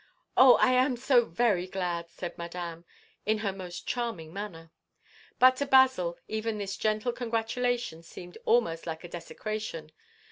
"Oh! I am so very glad!" said Madame, in her most charming manner. But to Basil even this gentle congratulation seemed almost like a desecration.